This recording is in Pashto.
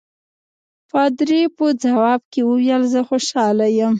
پادري په ځواب کې وویل زه خوشاله یم.